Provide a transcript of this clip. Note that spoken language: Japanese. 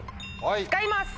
使います！